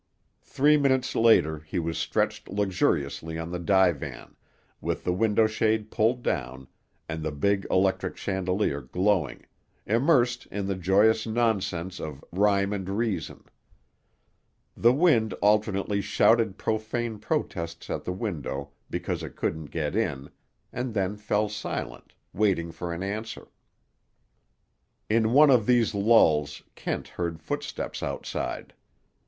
Three minutes later he was stretched luxuriously on the divan, with the window shade pulled down and the big electric chandelier glowing, immersed in the joyous nonsense of Rhyme and Reason. The wind alternately shouted profane protests at the window because it couldn't get in, and then fell silent, waiting for an answer. In one of these lulls Kent heard footsteps outside.